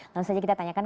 lalu saja kita tanyakan